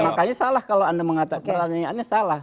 makanya salah kalau anda mengatakan pertanyaannya salah